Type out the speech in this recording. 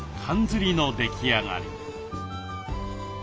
ずりの出来上がり。